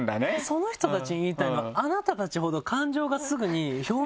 その人たちに言いたいのはあなたたちほど。